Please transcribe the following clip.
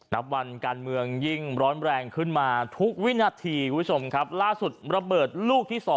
มันกันเมืองยิ่งร้อนแรงขึ้นมาทุกวินาธีตรงครับล่าสุดระเบิดลูกที่๒